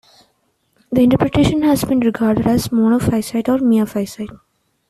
The interpretation has been regarded as monophysite or miaphysite.